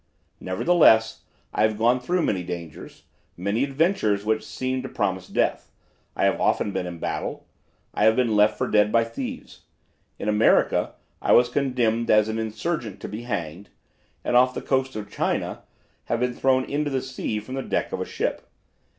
"Nevertheless, I have gone through many dangers, many adventures which seemed to promise death. I have often been in battle. I have been left for dead by thieves. In America I was condemned as an insurgent to be hanged, and off the coast of China have been thrown into the sea from the deck of a ship.